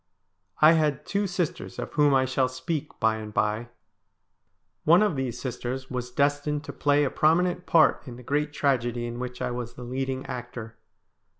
I had two sisters of whom I shall speak by and by. One of S74 STORIES WEIRD AND WONDERFUL these sisters was destined to play a prominent part in the great tragedy in which I was the leading actor.